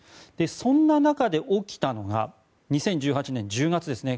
そんな中で、起きたのが２０１８年１０月ですね。